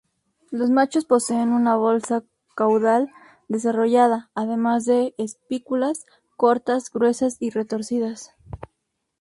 Los machos poseen una bolsa caudal desarrollada, además de espículas cortas, gruesas y retorcidas.